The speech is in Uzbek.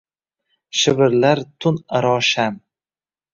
Shivirlar tun aro sham.